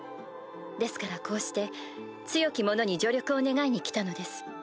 ですからこうして強き者に助力を願いに来たのです。